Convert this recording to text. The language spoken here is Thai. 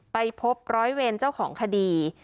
ไปพบร้อยเวรเจ้าของคดี